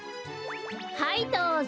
はいどうぞ。